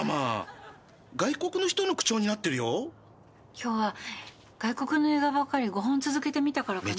今日は外国の映画ばっかり５本続けて見たからかな？